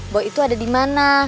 bahwa itu ada di mana